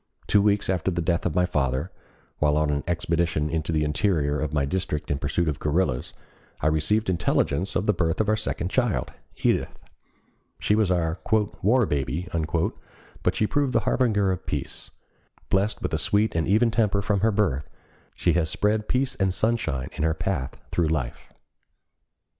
Two weeks after the death of my father, while on an expedition into the interior of my district in pursuit of guerrillas, I received intelligence of the birth of our second child, Edith. She was our "war baby," but she proved the harbinger of peace. Blessed with a sweet and even temper from her birth, she has spread peace and sunshine in her path through life.